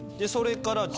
それから。